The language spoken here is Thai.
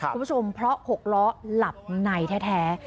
คุณผู้ชมเพราะ๖ล้อหลับในแท้